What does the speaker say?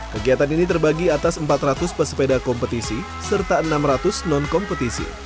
kegiatan ini terbagi atas empat ratus pesepeda kompetisi serta enam ratus non kompetisi